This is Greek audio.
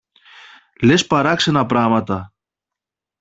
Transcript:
Λες παράξενα πράματα!